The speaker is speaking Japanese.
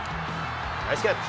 ナイスキャッチ。